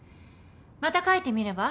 また書いてみれば？